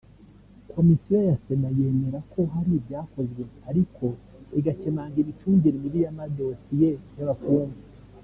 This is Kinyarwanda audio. Komisiyo ya Sena yemera ko hari ibyakozwe ariko igakemanga imicungire mibi y’amadosiye y’abafungwa